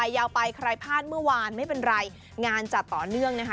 ยาวไปใครพลาดเมื่อวานไม่เป็นไรงานจัดต่อเนื่องนะคะ